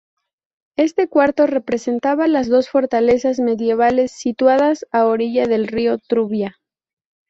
Este cuarto representa las dos fortalezas medievales situadas a orilla del río Trubia.